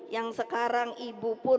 yang sekarang ibu pun